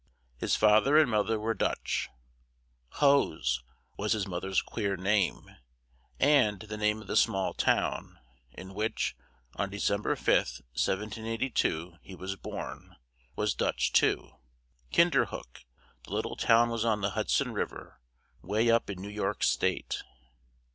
His fa ther and moth er were Dutch; Hoes was his moth er's queer name; and the name of the small town, in which, on De cem ber 5th, 1782, he was born, was Dutch too Kin der hook; the lit tle town was on the Hud son Riv er, way up in New York state.